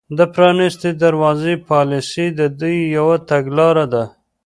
د پرانیستې دروازې پالیسي د دوی یوه تګلاره ده